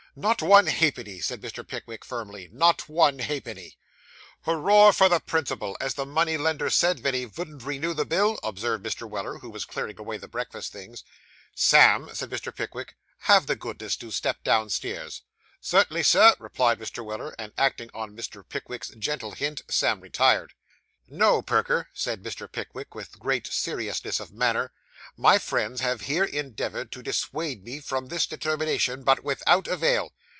'Not one halfpenny,' said Mr. Pickwick firmly; 'not one halfpenny.' 'Hooroar for the principle, as the money lender said ven he vouldn't renew the bill,' observed Mr. Weller, who was clearing away the breakfast things. 'Sam,' said Mr. Pickwick, 'have the goodness to step downstairs.' 'Cert'nly, sir,' replied Mr. Weller; and acting on Mr. Pickwick's gentle hint, Sam retired. 'No, Perker,' said Mr. Pickwick, with great seriousness of manner, 'my friends here have endeavoured to dissuade me from this determination, but without avail.